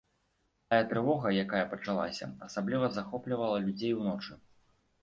Тая трывога, якая пачалася, асабліва захоплівала людзей уночы.